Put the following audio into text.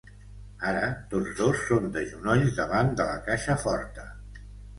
Ara tots dos són de genolls davant de la caixa forta.